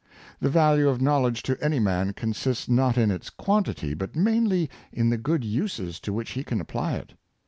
The value of knowl edge to any man consists not in its quantity, but mainly in the good uses to which he can apply it.